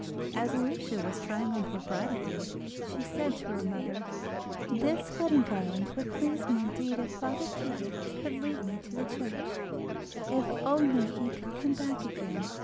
As Lucia was trying on her bridal wreath she said to her mother: "This wedding garland would please me indeed if father Peter could lead me to the church. If only he could come back again!